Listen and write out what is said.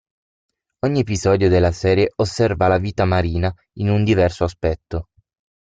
Ogni episodio della serie osserva la vita marina in un diverso aspetto.